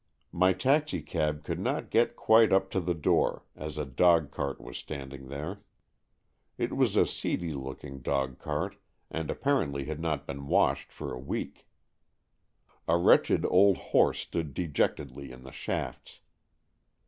My taxicab could not get quite up to the door, as a dogcart was standing there. It was a seedy looking dogcart, and apparently had not been washed for a week. A wretched old horse stood dejectedly in the shafts.